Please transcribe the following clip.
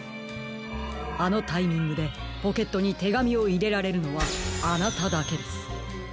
あのタイミングでポケットにてがみをいれられるのはあなただけです。